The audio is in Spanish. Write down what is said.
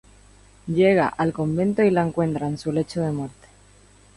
Llega al convento y la encuentra en su lecho de muerte.